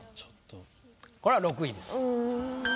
これは６位です。